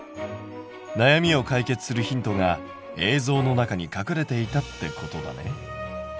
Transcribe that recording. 悩みを解決するヒントが映像の中に隠れていたってことだね。